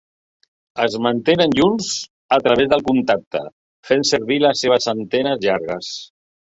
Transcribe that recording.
Es mantenen junts a través del contacte, fent servir les seves antenes llargues.